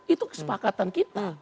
itu kesepakatan kita